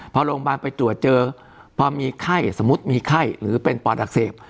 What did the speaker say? พอโรงพยาบาลไปตรวจเจอพอมีไข้สมมุติมีไข้หรือเป็นปอดอักเสบ